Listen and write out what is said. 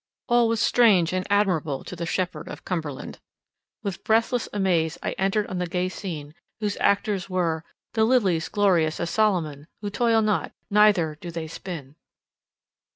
All was strange and admirable to the shepherd of Cumberland. With breathless amaze I entered on the gay scene, whose actors were —the lilies glorious as Solomon, Who toil not, neither do they spin.